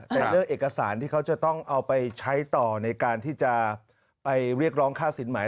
แต่เรื่องเอกสารที่เขาจะต้องเอาไปใช้ต่อในการที่จะไปเรียกร้องค่าสินหมาย